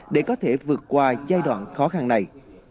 để có thể vượt qua giai đoạn khó khăn này